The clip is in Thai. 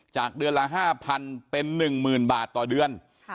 จากเดือนละ๕๐๐เป็น๑๐๐๐บาทต่อเดือน